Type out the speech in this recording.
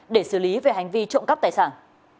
để xử lý về hành vi trộm cắp tài sản